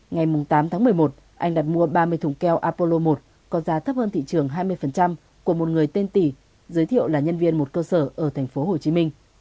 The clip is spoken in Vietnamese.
ngày tám tháng một mươi một anh đặt mua ba mươi thùng keo apollo một có giá thấp hơn thị trường hai mươi của một người tên tỷ giới thiệu là nhân viên một cơ sở ở tp hcm